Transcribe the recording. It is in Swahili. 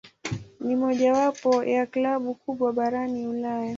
Ni mojawapo ya klabu kubwa barani Ulaya.